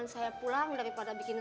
kalau orang itu mati gimana